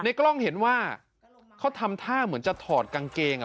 กล้องเห็นว่าเขาทำท่าเหมือนจะถอดกางเกงอ่ะ